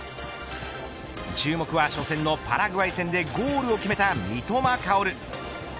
注目は初戦のパラグアイ戦でゴールを決めた三笘薫。